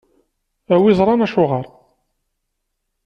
A wi iẓṛan acuɣeṛ.